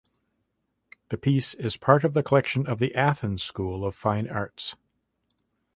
The piece is part of the collection of the Athens School of Fine Arts.